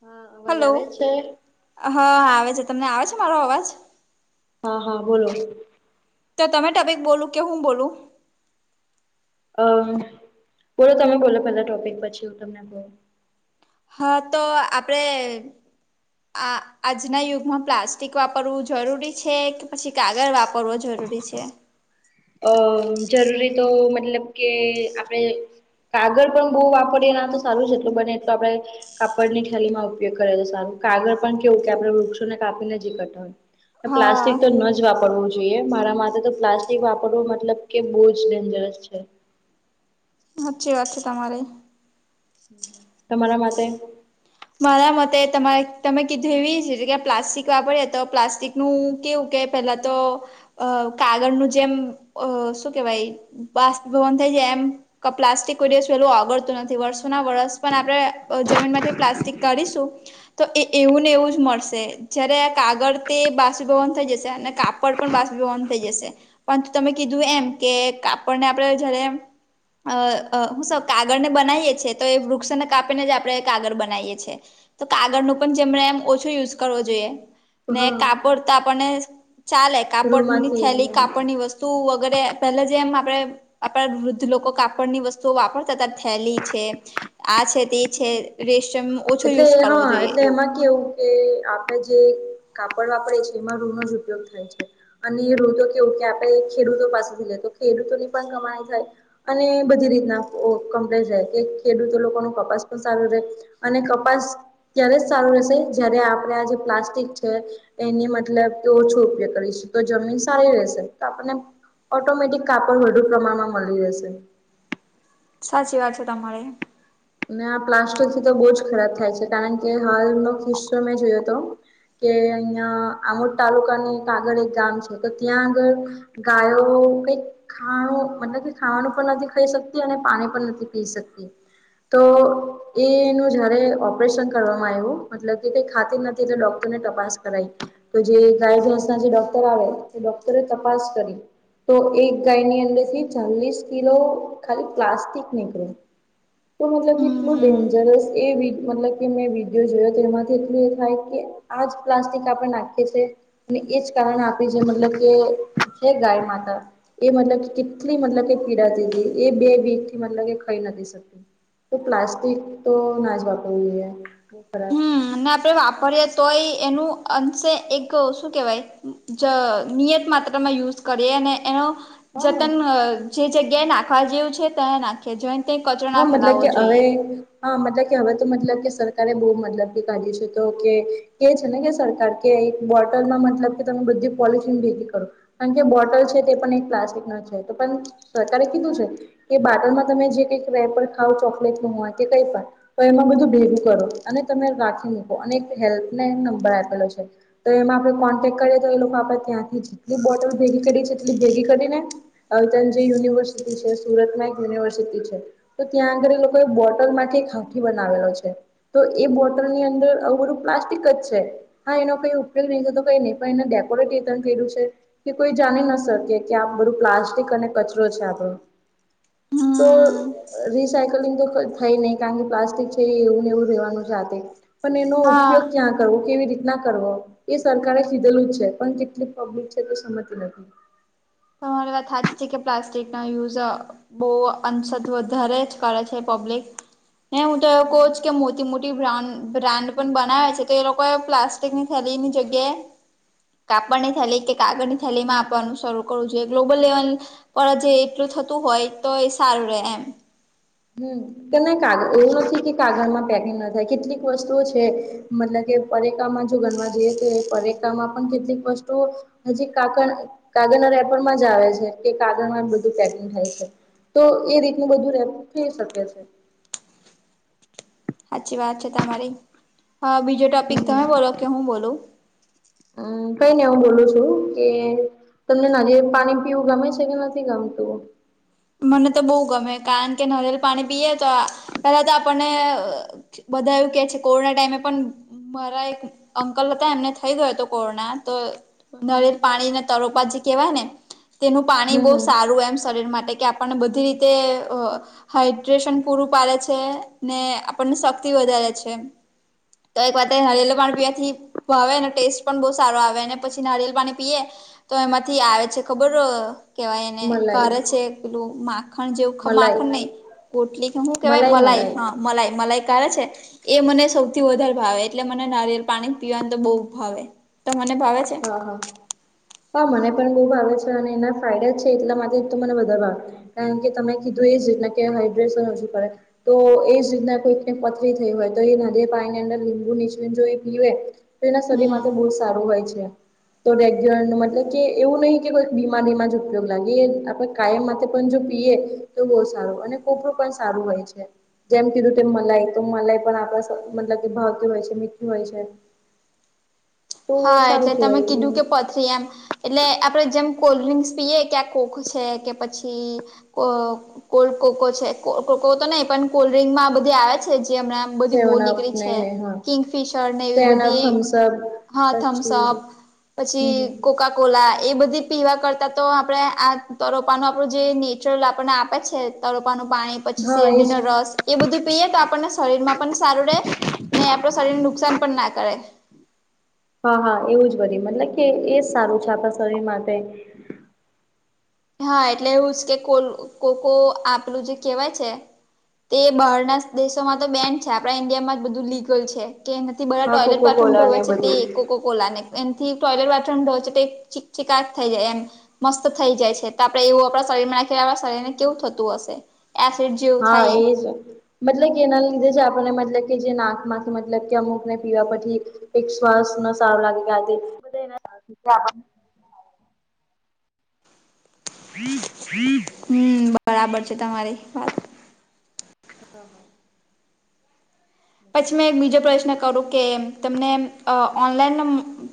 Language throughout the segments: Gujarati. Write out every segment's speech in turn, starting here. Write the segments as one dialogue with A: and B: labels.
A: હા અવાજ
B: હલો
A: આવે છે.
B: હા આવે છે તમને આવે છે મારો અવાજ,
A: હા, હા બોલો બોલો.
B: તો તમે તબીક બોલું કે હું બોલું-'
A: અમ બોલો તમે બોલો પેલા ટોપિક પછી હું તમને કહું.
B: હા તો આપણેે. આ આજના યુગમાં પ્લાસ્ટિક વાપરવું જરૂરી છે કે પછી કાગળ વાપરવો જરૂરી છે.
A: અ જરૂરી તો મતલબ કે આપણે કાગળ પણ બહુ વાપરીએ ના તો સારું છે એટલું બને એટલ આપડે કપડ ની થેલી માં ઉપયોગ કરે છે સારું કાગળ પણ કેવું કે આપડે વૃક્ષોને કાપીનેજીકરતાહોય.
B: હા
A: પ્લાસ્ટિક તો ન જ વાપરવું જોઈએ મારા માટેથે તો પ્લાસ્ટિક વાપરવો મતલબ કે બહુ જ ડેન્જરસ છે.
B: સાચચી વાત છે તમારી.
A: તમારા માટે.
B: મારા મતે તમારે તમે કીધું એવી છે કે પ્લાસ્ટિક વાપરીએ તો પ્લાસ્ટિક નું કેવું કે પેલા તો અ કાગળ નું જેમ અ શું કેવાય? બાસ ભવન થઇ જાય એમ. પ્લાસ્ટિક ઉ દું પેલું આગળતું નથી વર્ષો ના વર્ષ પણ આપણે જમીનમાંથી પ્લાસ્ટિક કાઢીશું. તો એ એવું ને એવું જ મળશે જયારે કાગળ તે બાસુભવન થઈ જશે અને કાપ પણસંધ થઈ જશે પરંતુ તમે કીધું એમ કે આપણને આપડ જયારે અ અ હું સ કાગળને બનાવીએ છીએ તો એ વૃક્ષોને કાપીને જ આપણે કાગળ બના બનાઈએ છીએ. તો કાગળનું પણ જેમ રે એમ ઓછો યુઝ કરવો જોઈએ. ને
A: હા
B: કાપડ તો આપણને ચાલે કાપડની થેલી
A: રૂમાંથી
B: કાપડની વસ્ તુ વગેરે પેલે જેમ આપણે આપણા વૃદ્ધ લોકો કાપડની વસ્તુઓ વાપરતાતા થેલી છે. આ છે તે છે રેશમ નું
A: એટલે હા એટલે એમાં કેવું કે આપડણે જે કાપડ વાપરીએીએ એમાં રૂ નો જ ઉપયોગ થાય છે. અને એૂ તો કેવું કે આપડણે ખેડૂતો પાસેથી લઈએ તો ખેડૂતોની પણ કમાઈ જાય. અને બધી રીતના કમ્પ્લે રહે કે ખેડૂતો લોકો ન કપાસ પણ સારું રહે અને કપાસ ત્યારે જ સારો રેશે જયારે આપને આજે પ્લાસ્ટિક છે. એની મતલબ તો ઓછો ઉપયોગ કરીશું તો જમીન સારી રહેશે તો આપને ઓટોમેટિક કાપડ વધુ પ્રમાણમાં મલી રેશે.
B: સાચી વાત છે તમારી.
A: ને આ પ્લાસ્ટિકથી તો બહુ જ ખરાબ થાય છે. કારણ કે હાલનો કિસ્સો મેં જોયો તો. કે અહિયાં આમોદ તાલુકાને કાગળ એક ગામ છે તો ત્યાં આગળ ગાયો કંઈક ખાઓ મતલબ કે ખાવાનું પણ નથી ખાઈ શકતી. અને પાણી પણ નથી પી શકતી. તો એ એનું જયારે ઓપરેશન કરવામાં આવ્યું મતલબ કે કઈ ખાતી નતી તો ડોક્ટરને તપાસ કરાઈ. તો જે ગાય, ભેંસના જે ડોક્ટર આવે. એ ડોક્ટરે તપાસ કરી. તો એક ગાયની અંદરથી ચાલીસ કિલો ખાલી પ્લાસ્ટિક નીકળ્યું. તો મતલબ કેટલું
B: હમ્મ
A: ડેન્જરસ એ વીડ મતલબ કે મેં વિડીયો જોયો તો એમાંથી એટલું એ થાય કે આજ પ્લાસ્ટિક આપણે નાખીએ છીએ. ને એજ કારણ આપે જે મતલબ કે છે ગાય માતા. એ મતલબ કે કેટલી મતલબ કે પીડાતી તી એ બે વીકથી મતલબ કે ખઈ નતી શકતી. તો પ્લાસ્ટિક તો નાજ વાપરવું જોઈએ. બહુ ખરાબ
B: હમ
A: છે.
B: અને આપે વાપરીએ તોય એનું અંશે એક શું કેવાય જ નિયત માત્રામાં યુઝ કરીએ અને એનો
A: હા
B: જતન જે જગ્યાએ નાખવા જેવું છે ત્યાં નાખે જોઈને તે કચરો ના ફેલાવો જોઈએ.
A: હહ મતલબ કે હવે તો મતલબ કે સરકારે બહુ મતલબ કે કાઢ્યું છે તો કે કે છે ને કે સરકાર કે એક બોટલમાં મતલબ કે તમે બધી પોલિથીન ભેગી કરો. કારણ કે બોટલ છે તે પણ એક પ્લાસ્ટિકનો છે તો પન સરકારે કીધું છે. કે બાટલમાં તમે જે કંઈક રેપર ખાવ ચોકલેટનું હોય કે કઈ પણ તો એમાં બધું ભેગું કરો, અને તમે રાખી મૂકો અને એક હેલ્પલાઈન નંબર આપેલો છે. તો એમાં આપણે કોન્ટેક્ટ કરીએ તો એ લોકો આપડે ત્યાંથી જેટલી બોટલ ભેગી કરી છે જેટલી ભેગી કરીને અલ્કન જે યુનિવર્સિટી છે, સુરતમાં એક યુનિવર્સિટી છે. તો ત્યાં આગળ એ લોકોએ બોટલમાંથી એક હાકી બનાવેલો છે. તો એ બોટલની અંદર આવું બધું પ્લાસ્ટિક જ છે. હા એનો કઈ ઉપયોગ નઈ થતો કઈ નહી પણ એને ડેકોરેટેટણ કર્યું છે. કે કોઈ જાની ન શકે કે આ બધું પ્લાસ્ટિક અને કચરો છે આપણો.
B: હમ
A: તો અ રિસાયકલિંગ તો થઈ ની કારણ કે પ્લાસ્ટિક છે એ એવુંને એવું રહેેવાનું છે આ તે. પન એનો
B: હા
A: ઉપયોગ ક્યાં કરવો, કેવી રીતના કરવો એ સરકારે કીધેલું જ છે. પણ કેટલી પબ્લિક છે તે સમજતી નથી.
B: તમારી વાત હાચી છે કે પ્લાસ્ટિકના યુઝ અ બહુ અંશત વધારે જ કરે છે પબ્લિક ને હું તો એવું કહું છ કે મું જે મોટી બ્રાન્ડ બ્રાન્ડ પણ બનાવે છે તે લોકોએ પ્લાસ્ટિકની થેલીની જગ્યાએ કાપડની થેલી કે કાગળની થેલીમાં આપવાનું શરૂ [inaudible] જે ગ્લોબલ લેવલ પર જે એટલું થતું હોય તો એ સારું રે એમ.
A: હમ કે ના કાગ એવું નથી કે કાગળમાં પેકિંગ ના થાય કેટલીક વસ્તુઓ છે. મતલબ કે પરેકામાં જો ગનવા જઈએ તો એ પરેકામાં પણ કેટલીક વસ્તુઓ હજી કાકણ કાગનર એપમાં જ આવે છે કે કાગળમાં બધું પેકિંગ થાય છે. તો એ રીતનું બધું રેમ થઈ શકે છે.
B: હાચી વાત છે તમારી. હહ બીજો ટોપિક તમે બોલો કે હું બોલું?
A: અ કઈ ની હું બોલું છું કે તમને નાળિયેર પાણી પીવું ગમે છે કે નથી ગમતું?
B: મને તો બહુ ગમે કારણ કે નારિયેળ પાણી પીએ તો પેલા તો આપણને બધા એવું કે છે કોરોના ટાઈમે પન મારા એક અંકલ હતા એમને થઇ ગયો તો કોરોના તો નરેલ પાણીના તરોપા જે કહેવાય ને તેનું પાણી
A: હમ
B: બહુ
A: હમ
B: સારું એમ શરીર માટે પણ બધી રીતે અ હાઈડ્રેશન પૂરું પાડે છે ને આપણને શક્તિ વધારે છે. તો એક વાર હળેલું પાણી પીવાથી ભાવે અને ટેસ્ટ પણ બહુ સારો આવે અને પછીજ નારિયેલ પાણી પીએ તો એમાંથી આવે છે ખબર કેવાય એને
A: મલાઈ
B: કરે છે. પેલું માખણ જેવું
A: મલાઈ
B: માખણ નહી કોટલી કે હું કેવાય મલાઈ હા. મલાઈ મલાઈ કરે છે. એ મને સૌથી વધારે ભાવે એટલે મને નારિયે પાણી પીવાનું તો બહુ ભાવે તમને ભાવે છે.
A: હા હા હા મને પણ બહુ ભાવે છે અને એના ફાયદા છે એટલા માટે તો મને બધા ભાવ. કારણ કે તમે કીધું એ જ રીતના કે હાઈડ્રેશન હજુ કરે. તો એ જ રીતના કોઈકને પથરી થઈ હોય તો એ નારિયળ પાણીની અંદર લીંબુ નીચ જો એ પીવે એના શરીર
B: હમ
A: માટે બહુ સારું હોય છે. તો રેગ્યુલર મતલબ કે એવું નહી કેઈ બીમારીમાં જ ઉપયોગ લાગે એ આપણે કાયમ માટે પણ જો પીએ તો બહુ સારું અને કોપરું પણ સારું હોય છે. જેમ કીધું તે મલાઈ તો મલાઈ પણ આપણા મતલબ કે ભાવતી હોય છે મીઠી હોય છે. તો
B: હા
A: સારું
B: એટલે તમે
A: કહેવાય
B: કીધું કે પથ એમ એટલે આપડે જેમ કોલ્ડ ડ્રિંક્સ પીએ કે આ કોક છે કે પછી કો કોલ્ડ કોકો છે કોકો તો નહી પણ કોલ્ડ્રિંકમાં આ બધી આવે જે હમણાં બધી બો
A: સેવન અપ
B: નીકળી
A: ને
B: છે
A: હા
B: કિંગફિશર ને એવી
A: સેના
B: બધી એ
A: થમ્સઅપ
B: હા
A: પછી
B: થમ્સઅપ
A: હમ
B: પછી
A: હમ
B: કોકાક કોલા એ બધી પીવા કરતાં તો આપણે આ તરોપાનું આપણું જે નેચરલ આપણને આપે છે. તડપાનું પાણી પછી
A: હા એજ
B: શેરડીનો રસ. એ બધું પીએ તો આપણને શરીરમાં પણ સારું રહેે ને આપણા શરીરને નુકસાન પણ ના કરે.
A: હા હા એવું જ બ્યું મતલબ કે એજ સારું છે આપણા શરીર માટે
B: હા એટલે એવું છે કે કોલ કોકો આપલું જે કેહેવાય છે. તે બહારના દેશોમાં તો બેન્ડ છે આપણા ઈન્ડિયા માં જ બધું લીગલ છે. કે નથી બરા
A: હા
B: ટોયલેટ
A: કોકો
B: બાથરૂમ
A: કોલા
B: ઢોવે
A: ને
B: છે તે
A: બધું
B: કોકોકો ઓલાને એમથી ટોયલેટ બાથમોચ ચીકચીકાટ થઈ જાય એમ મસ્ત થઈ જાય છે. તો આપડે એવું આપણા શરીરમાં નાખીએ આપણા શરીર ને કેવું થતું હશે. એસિડ જેવ
A: હા એજ મતલબ કે એના લીધે જ આપણને મતલબ કે જે નાક માંથી મતલબ કે અમુક ને પીવા પછી એક શ્વાસ ન સારું લાગે કે આ [unintelligible] [inaudible]
B: હમ્મ બરાબર છે તમારી વાત
A: હ હ
B: પછી મેં એક બીજો પ્રશ્ન કરું કે તમને ઓનલાઈન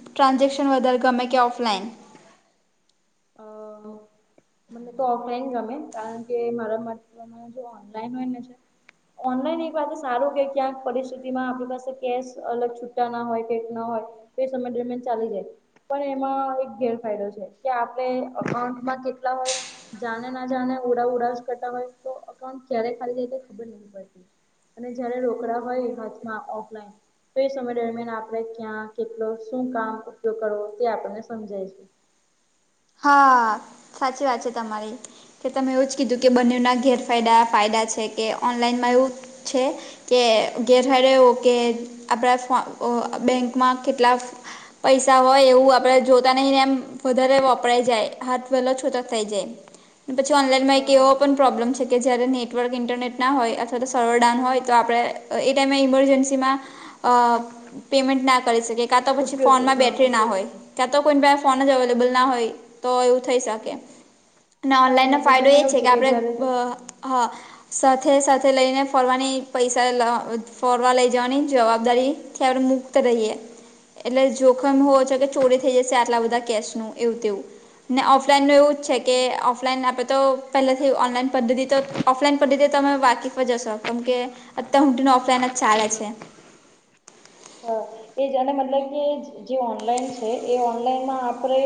B: ટ્રાન્ઝેક્શન વધારે ગમે કે ઓફલાઈન?
A: અ મને તો ઓફલાઈન ગમે કારણ કે મારા માટે જો ઓનલાઈન હોયને ઓનલાઈન એક વાતે સારું કે ક્યાંક પરિસ્થિતિમાં આપણી પાસે કેશ અલગ છૂટા ના હોય કે ના હોય એ સમય દરમિયાન ચાલી જાય પણ એમાં એક ગેરફાયદો છે. કે આપણે અકાઉન્ટમાં કેટલા હોય. જાણે ના જાણે ઉરા ઉરા કરતા હોય તો અકાઉન્ટ ક્યારે ખાલી જાય ખબર નહી પડતી. અને જયારે રોકડા હોય હાથમાં ઓફલાઈન તો એ સમય દરમિયાન આપણે ક્યાં કેટલો શું કામ ઉપયોગ કરવો તે આપણને સમજાય છે.
B: હા સાચી વાત છે તમારી કે તમે એવું જ કીધું કે બંને ના
A: હમ
B: ઘેર ફાયદા-ફાયદા છે કે ઓનલાઈનમાં એવું છે, કે ગેરફયદા એવુ કે આપડા ફોન અ બેંકમાં કેટલા પૈસા હોય એવું આપડે જોતા નહી ને એમ વધારે વાપ [unintelligible] કે
A: હા હા
B: જયારે નેટવર્ક ઇન્ટરનેટ ના હોય અથવા તો સર્વર ડાઉન હોય તો આપણે એ ટાઈમે ઈમરજન્સીમાં અ પેમેન્ટના કરી શકે કા તો પછી
A: ઉપયોગ
B: ફોનમાં
A: હા
B: બેટરીના હોય.
A: ઉપયોગ
B: કેતો કોઈ પ્રાઈ ફોન જ એવેલેબલ ના હોય. તો એવું થઈ શકે અને
A: હા એ
B: ઓનલાઈનનો
A: મતલબ
B: ફાયદો
A: એમાં
B: એ છે
A: એવું
B: કે આપણે
A: જયારે
B: હા સાથે સાથે લઈને ફરવાની પૈસા ફરવા લઈ જવાની જવાબદારી ખ મુક્ત રહીએ. એટલે જોખમ હોવો છ કે ચોરી થઈ જશે. આટલા બધા કેશનું એવું તેવું. ને ઓફલાઈનનું એવું જ છે કે ઓફલાઈન આપણે તો પહેલાથી ઓનલાઈન પદ્ધતિ તો ઓફલાઈન પણ રીતે તમે વાકીફ પર જશો કેમ કે અત હઊંટીને ઓફલાઈન જ ચાલે
A: હા હા
B: છે.
A: હા એ જેને મતલબ કે જે ઓનલાઈન છે એ ઓનલાઈનમાં આપણેે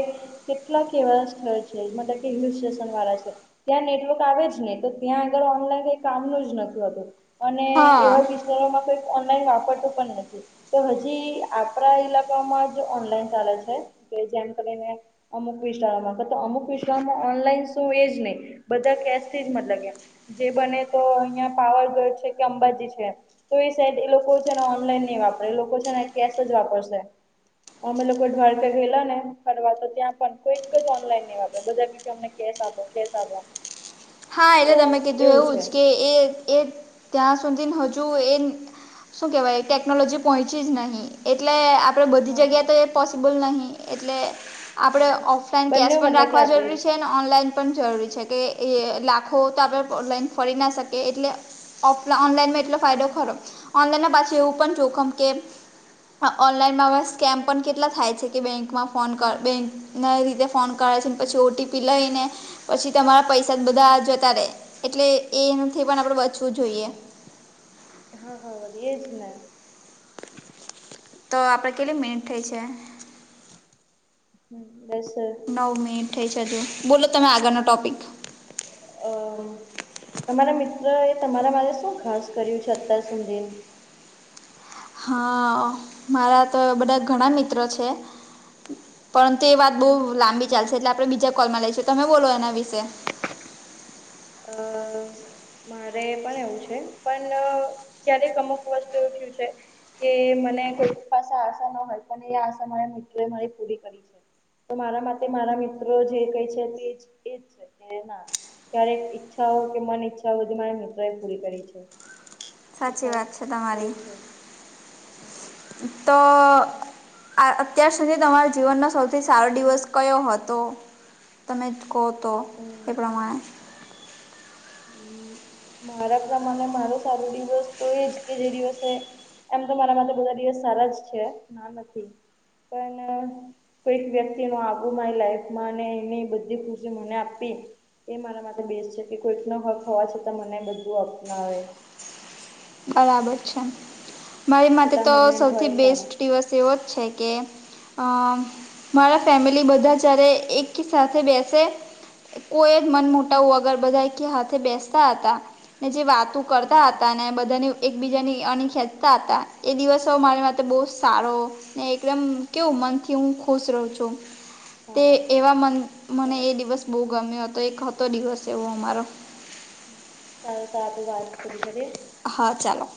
A: કેટલાક એવા સ્થળ છે. મતલબ કે હિલ સ્ટેશન વાળા છે. ત્યાં નેટવર્ક આવે જ ને તો ત્યાં આગળ ઓનલાઈન કઈ કામનું જ નથી હોતું. અને
B: હા
A: એવા વિિસ્તારોમાં કઈ ઓનલાઈન વાપરતું પણ નથી તો હ, આપડા ઈલાકામાં જ ઓનલાઈન ચાલે છે કે જેમ કરીને અમુક વિસ્તારોમાં તો અમુક વિસ્તારોમાં ઓનલાઈન શું એ જ નહી. બધા કેશથી જ મતલબ. જે બને તો અહિયાં પાવરગઢ છે કે અંબાજી છે. તો એ સાડ એ લોકો છે ને ઓનલાઈન નહી વાપરે, લોકો છેને કેશ જ વાપરશે. અમે લોકો ઢ્વારકે ગયેલા ને ફરવા તો ત્યાં પણ કોઈક જ ઓનલાઈન નઈ વાપર બધા અમને કેસાબ આપો કેસાબ આપો.
B: હા,
A: તો
B: એટલે તમે કીધું એવું જ કે એ ત્યાં સુધી હજુ એ શું કહેવાય? ટેકનોલોજી પહોંચી જ નહીં. એટલે, આપણેે બધી
A: હા હા
B: જગ્યા તો એ પોસિબલ નહિ. એટલે આપણે
A: હા
B: ઓફલાઈન
A: બંને
B: કેશ પણ
A: મતલબ કે
B: રાખવા
A: આપણી
B: જરૂરી છે અને
A: રીતના
B: ઓનલાઈન પણ જરૂરી છે. કે એ લાખો તો આપણે ઓલાઈન ફરી ના શકીએ. એટલે ઓફ ઓનલાઈનમાં એટલો ફાયદો ખરો, ઓનલાઈનના પાછી એવું પણ જોખમ કે ઓનલાઈનમાં હવે સ્કેમ પણ કેટલા થાય છે કે બેંકમાં ફોન કર. બેંક નવી રીતે ફોન કરે છેને પછી ઓટીપી લઈને પછી તમારા પૈસા બધા જતા રહેે. એટલે એથી પણ આપડે બચવું જોઈએ.
A: હા હા, વધીય જ ને
B: તો આપણે કેટલી મિનિટ થઈ છે.
A: હમ. દસ જ.
B: હ મી થઈ છેજુ બોલો, તમે આગળનો ટોપિક
A: અમ, તમારા મિત્ર એ તમારા માટે શું ખાસ કર્યું છે? અત્યાર સુધી
B: હા, મારા તો બધા ઘણા મિત્રો છે. પરંતુ એ વાત બહુ લાંબી ચાલશે. એટલે આપણે બીજા કોલમાં લઈશું, તમે બોલો એના વિશે.
A: અ મારે પણ એવું છે પણ ક્યારેક અમુક વસ્તુ એવું થયું છે. કે મને કોઈ પાસે આશા ના હોય પણ એ આશા મારા મિત્રો એ મારી પૂરી કરી છે. તો મારા માટે મારા મિત્રો જે કઈ છે તે એજ છે ના. ત્યારે ઈચ્છાઓ કે મન ઈચ્છાઓ બધી મારા મિત્રો એ પૂરી કરી છે. તો
B: સાચી
A: ખાસ
B: વાત છે
A: તો
B: તમારી.
A: એ છે
B: તો આ અત્યાર સુધી તમારા જીવનનો સૌથી સારો દિવસ કયો હતો? તમે જ કહો તો એ પ્રમાણે
A: હ મારા ઘરે મને મારો સારો દિવસ તો એજ કે જે દિવસે એમ તો મારા માટે બધા દિવસ સારા જ છે. હ, નથી. પણ કોઈક વ્યક્તિનો આવું મારી લાઈફમાં એની બધી ખુશી મને આપી. એ મારા માટે બેસ્ટ છે કે કોઈક ન હક હોવા છતાં મને બધું અપનાવે
B: બરાબર છે મારી માટે
A: કેટલા
B: તો
A: મુમેન્ટ હોય
B: સૌથી બેસ્ટ
A: સારા
B: દિવસ એવો જ છે કે- મારા ફેમિલી બધા જ્યારે એક સાથે બેસે- કોઈ જ મન મોટાવું વગર બધા કે હાથે બેસતા હતા ને જે વાતો- કરતા હતા ને બધા બધાને એકબીજાની અણી ખેંચતા હતા એ દિવસો મારી માટે બહુ સારો- ને એકદમ કેવું મનથી હું ખુશ રહું છું.
A: હા
B: તે
A: હા
B: એવા મન મને
A: સારું
B: એ દિવસ બહુ ગમ્યો હતો એ હતો દિવસ એવો અમારો-
A: બવ સાચી વાત કરી તમે-
B: હા ચાલો